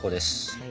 はい！